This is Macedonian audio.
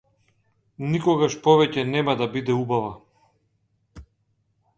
Никогаш повеќе нема да биде убава.